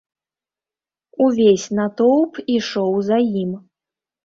Увесь натоўп ішоў за ім.